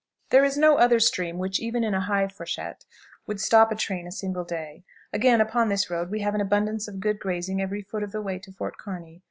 "There is no other stream which, even in a high freshet, would stop a train a single day. Again, upon this route we have an abundance of good grazing every foot of the way to Fort Kearney.